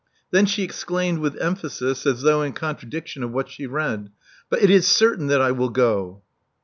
Then she exclaimed with emphasis, as though in contradiction of what she read. But it is certain that I will go."